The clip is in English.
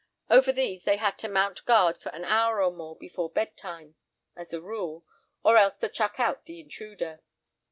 Over these they had to mount guard for an hour or more before bedtime, as a rule, or else to "chuck out" the intruder.